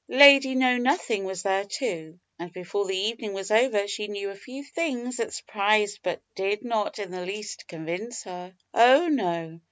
Lady Knownothing was there too, and before the evening was over she knew a few things that surprised but did not in the least convince her. Oh, no!